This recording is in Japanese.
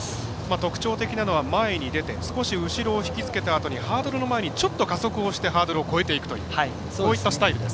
特徴的なのは前に出て少し後ろを引き付けたあとにハードルの前にちょっと加速をして越えていくというそういったスタイルです。